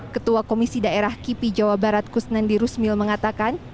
ketua komisi daerah kipi jawa barat kusnandi rusmil mengatakan